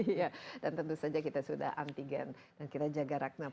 iya dan tentu saja kita sudah antigen dan kita jaga rakna